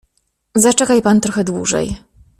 "Zaczekaj pan trochę dłużej."